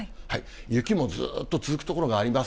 雪もずーっと続く所があります。